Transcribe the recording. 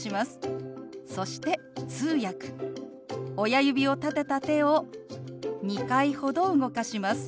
親指を立てた手を２回ほど動かします。